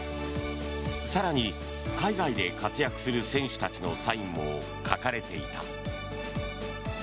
更に、海外で活躍する選手たちのサインも書かれていた。